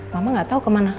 mama gak tau kemana